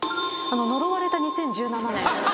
「呪われた２０１７年」